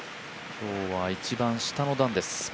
今日は一番下の段です。